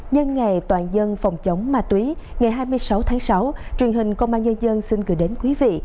nhân ngày toàn dân phòng chống ma túy ngày hai mươi sáu tháng sáu truyền hình công an nhân dân xin gửi đến quý vị